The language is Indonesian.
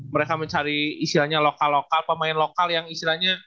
mereka mencari isiannya lokal lokal pemain lokal yang istilahnya